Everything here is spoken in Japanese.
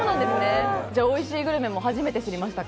おいしいグルメも初めて知りましたか？